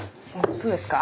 そうですか？